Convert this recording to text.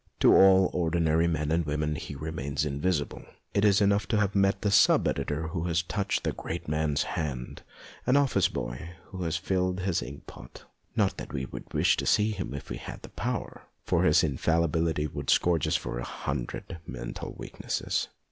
To all ordinary men and women he remains invisible ; it is enough to have met a sub editor who has touched the great man's hand, an office boy who has filled his ink pot. Not that we would wish to see him if we had the power, for his infallibility \vould scourge us for a hundred mental weaknesses.